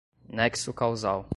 nexo causal